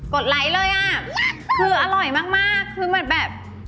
คืออร่อยมากคือแบบ